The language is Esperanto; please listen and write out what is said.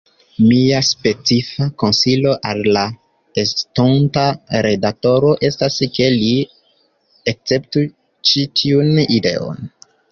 Mia specifa konsilo al la estonta redaktoro estas, ke li akceptu ĉi tiun ideon.